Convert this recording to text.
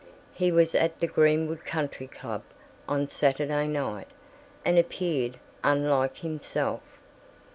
He was at the Greenwood Country Club on Saturday night, and appeared unlike himself.